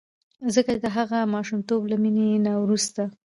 ځکه د هغه ماشومتوب له مینې نه وروسته.